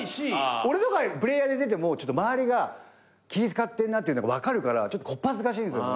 俺とかプレイヤーで出ても周りが気ぃ使ってんなっていうのが分かるからちょっと小っ恥ずかしいんすよね。